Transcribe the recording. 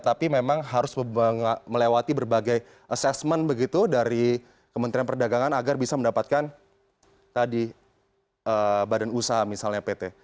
tapi memang harus melewati berbagai assessment begitu dari kementerian perdagangan agar bisa mendapatkan tadi badan usaha misalnya pt